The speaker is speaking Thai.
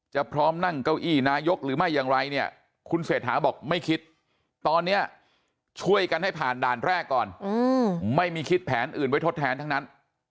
พร้อมนั่งเก้าอี้นายกหรือไม่อย่างไรเนี่ยคุณเศรษฐาบอกไม่คิดตอนนี้ช่วยกันให้ผ่านด่านแรกก่อนไม่มีคิดแผนอื่นไว้ทดแทนทั้งนั้น